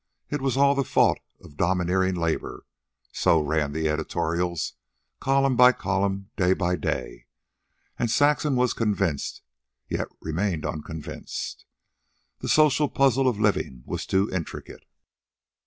It was all the fault of domineering labor so ran the editorials, column by column, day by day; and Saxon was convinced, yet remained unconvinced. The social puzzle of living was too intricate.